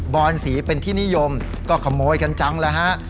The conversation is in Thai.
อนสีเป็นที่นิยมก็ขโมยกันจังแล้วฮะ